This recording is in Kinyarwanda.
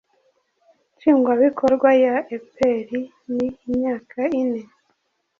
nshingwabikorwa ya epr ni imyaka ine